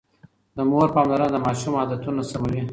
د مور پاملرنه د ماشوم عادتونه سموي.